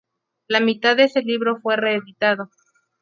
La mitad de ese libro fue reeditado.